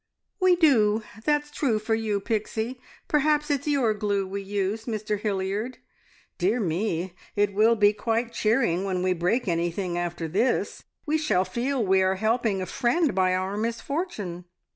"We do. That's true for you, Pixie. Perhaps it's your glue we use, Mr Hilliard. Dear me, it will be quite cheering when we break anything after this! We shall feel we are helping a friend by our misfortune."